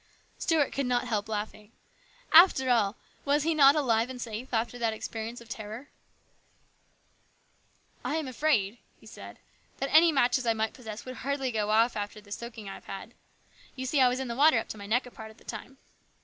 Stuart could not help laughing. After all, was he not alive and safe after that experience of terror ?" I am afraid," he said, " that any matches I might possess would hardly go off after the soaking I have had. You see I was in the water up to my neck a part of the time."